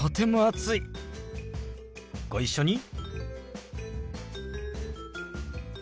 ご一緒に。